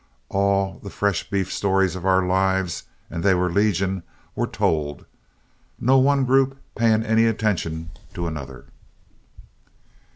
All the fresh beef stories of our lives, and they were legion, were told, no one group paying any attention to another.